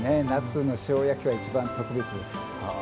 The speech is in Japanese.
夏の塩焼きは一番特別です。